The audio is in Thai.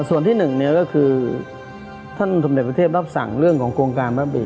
ส่วนที่หนึ่งเนี่ยก็คือท่านสมเด็จพระเทพรับสั่งเรื่องของโครงการพระบี